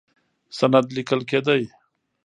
سند لیکل کېده.